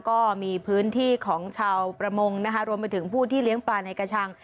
ก็มีพื้นที่ของชาวประมงนะคะรวมไปถึงผู้ที่เลี้ยงปลาในกระชัง